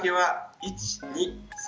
１２３。